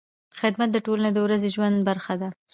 خدمت د ټولنې د ورځني ژوند برخه ده.